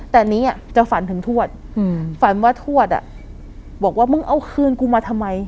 แต่อันนี้จะฝันถึงทวดฝันว่าทวดบอกว่ามึงเอาคืนกูมาทำไม